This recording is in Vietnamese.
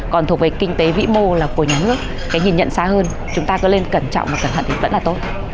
còn thuộc về kinh tế vĩ mô là của nhà nước cái nhìn nhận xa hơn chúng ta có nên cẩn trọng và cẩn thận thì rất là tốt